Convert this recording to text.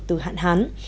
từ hạn hán